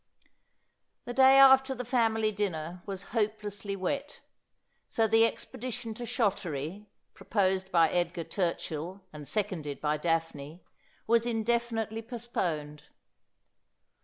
The day after the family dinner was hopelessly wet ; so the expedition to Shottery, proposed by Edgar Turchill and seconded by Daphne, was indefinitely postponed.